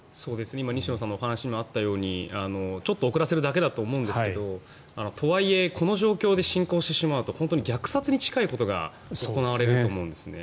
今、西野さんのお話にもあったようにちょっと遅らせるだけだと思うんですがとはいえこの状況で侵攻してしまうと虐殺に近いことが行われると思うんです。